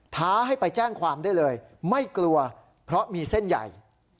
ท้าให้ไปแจ้งความได้เลยไม่กลัวเพราะมีเส้นใหญ่